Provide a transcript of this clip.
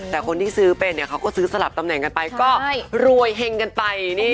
นักพี่ม่ำให้ช่งจริงค่ะ